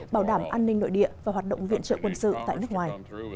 bảo đảm an ninh nội địa và hoạt động viện trợ quân sự tại nước ngoài